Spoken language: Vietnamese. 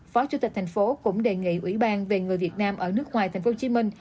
phó chủ tịch tp hcm cũng đề nghị ủy ban về người việt nam ở nước ngoài tp hcm